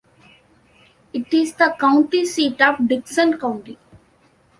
It is the county seat of Dickson County.